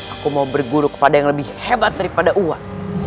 aku mau berguru kepada yang lebih hebat daripada uang